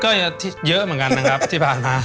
ก็เยอะเหมือนกันนะครับที่ผ่านมา